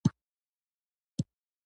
زاړه کسان د خپلو خبرو له لارې امن جوړوي